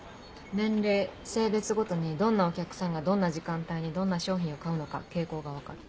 年齢性別ごとにどんなお客さんがどんな時間帯にどんな商品を買うのか傾向が分かる。